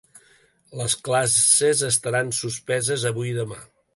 Les classes estaran suspeses avui i demà